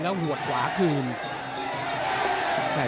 แล้วหัวขวาขึ้นมา